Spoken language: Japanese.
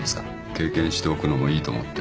経験しておくのもいいと思って。